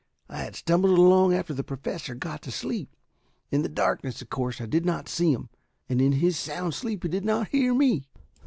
I had stumbled along after the Professor got to sleep. In the darkness of course I did not see him, and in his sound sleep he did not hear me."